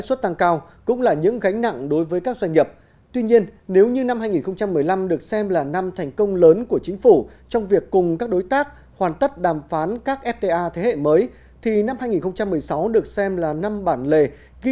xin chào và hẹn gặp lại trong các bản tin tiếp theo